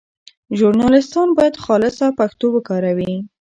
ژورنالیستان باید خالصه پښتو وکاروي.